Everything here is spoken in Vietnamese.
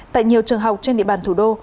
tại nhiều trường học trên địa bàn thủ đô